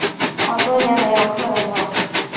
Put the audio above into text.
好多年没有客人了